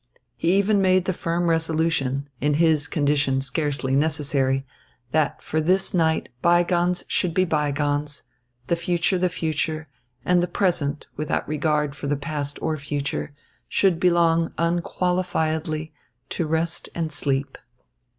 He even made the firm resolution in his condition scarcely necessary that for this night bygones should be bygones, the future the future, and the present, without regard for past or future, should belong unqualifiedly to rest and sleep.